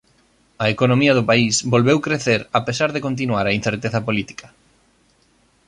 A economía do país volveu crecer a pesar de continuar a incerteza política.